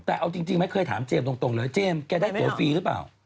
แต่เอาจริงไม่เคยถามเจมส์ตรงเลยเจมส์แกได้ผัวฟรีหรือเปล่า